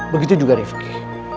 begitu juga rifki